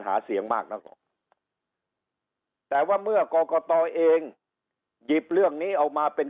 หาเสียงมากนักออกแต่ว่าเมื่อกรกตเองหยิบเรื่องนี้ออกมาเป็น